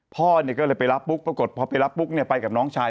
พ่อก็เลยไปรับปุ๊บปรากฏพอไปรับปุ๊บไปกับน้องชาย